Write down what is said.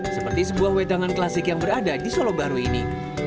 seperti sebuah wedangan klasik yang berada di solo baru ini